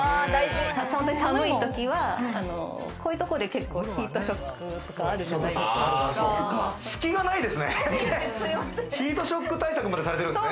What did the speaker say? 本当に寒いときは、こういうところでヒートショックとかあるじゃないですか。